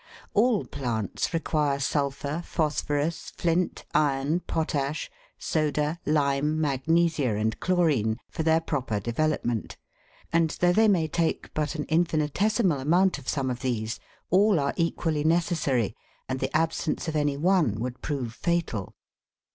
All plants require sulphur, phosphorus, flint, iron, potash, soda, lime, magnesia, and chlorine, for their proper develop ment; and though they may take but an infinitesimal amount of some of these, all are equally necessary, and the absence of any one would prove fatal.